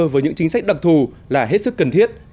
với những chính sách đặc thù là hết sức cần thiết